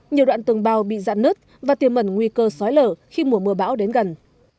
nhiều đoạn tường bao bị dạn nứt và tiềm mẩn nguy cơ sói lở khi mùa mưa bão đến gần